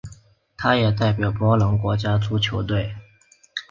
他也代表波兰国家足球队。